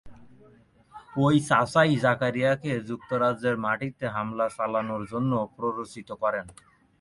ওই চাচা ই জাকারিয়াকে যুক্তরাজ্যের মাটিতে হামলা চালানোর জন্য প্ররোচিত করেন।